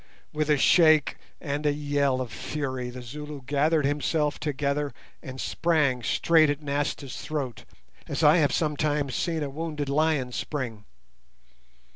With a shake and a yell of fury, the Zulu gathered himself together and sprang straight at Nasta's throat, as I have sometimes seen a wounded lion spring.